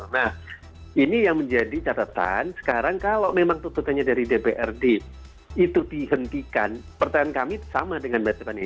nah ini yang menjadi catatan sekarang kalau memang tutupannya dari dprd itu dihentikan pertanyaan kami sama dengan bapak dekani